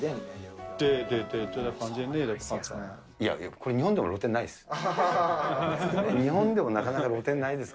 これ、日本でも露天はないです。